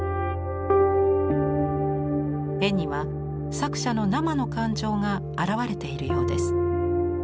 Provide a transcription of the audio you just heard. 絵には作者の生の感情が表れているようです。